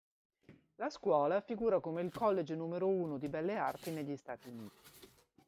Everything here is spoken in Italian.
La scuola figura come il college numero uno di belle arti negli Stati Uniti.